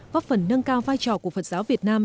góp phần nâng cao vai trò của phật giáo việt nam